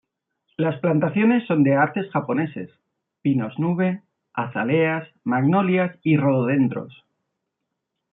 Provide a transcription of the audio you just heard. Las plantaciones son de arces japoneses, pinos nube, azaleas, magnolias, y rododendros.